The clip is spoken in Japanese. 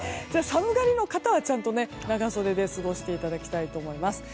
寒がりの方は長袖で過ごしていただきたいと思います。